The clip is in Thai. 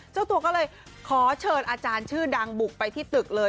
เจ้าตัวก็เลยขอเชิญอาจารย์ชื่อดังบุกไปที่ตึกเลย